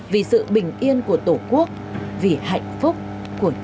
vì sự bình yên của tổ quốc vì hạnh phúc của nhân dân